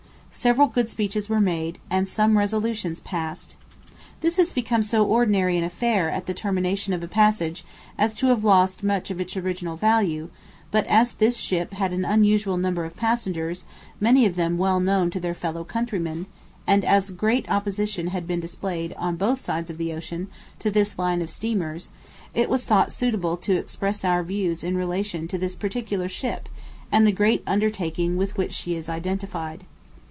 Several good speeches were made, and some resolutions passed. This has become so ordinary an affair at the termination of a passage, as to have lost much of its original value; but as this ship had an unusual number of passengers, many of them well known to their fellow countrymen, and as great opposition had been displayed, on both sides of the ocean, to this line of steamers, it was thought suitable to express our views in relation to this particular ship and the great undertaking with which she is identified.